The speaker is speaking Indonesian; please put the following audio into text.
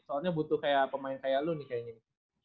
soalnya butuh kayak pemain kayak lu nih kayaknya gitu